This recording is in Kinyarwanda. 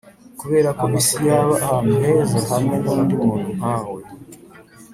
kuberako isi yaba ahantu heza hamwe nundi muntu nkawe.